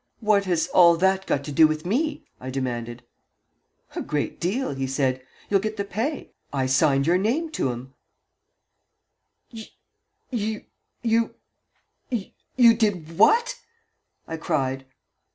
"What has all that got to do with me?" I demanded. "A great deal," he said. "You'll get the pay. I signed your name to 'em." "Y you you you did what?" I cried.